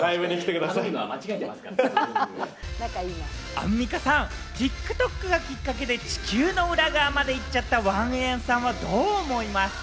アンミカさん、ＴｉｋＴｏｋがきっかけで地球の裏側まで行っちゃったワンエンさんはどう思いますか？